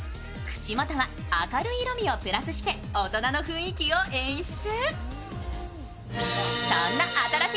口元は明るい色味をプラスして、大人の雰囲気を演出。